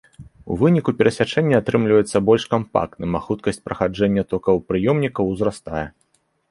У выніку перасячэнне атрымліваецца больш кампактным, а хуткасць праходжання токапрыёмнікаў узрастае.